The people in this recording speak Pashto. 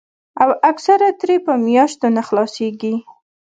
او اکثر ترې پۀ مياشتو نۀ خلاصيږي